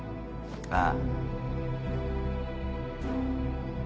ああ。